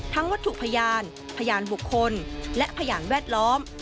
วัตถุพยานพยานบุคคลและพยานแวดล้อม